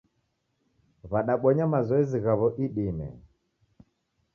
W'adabonya mazoezi ghawo idime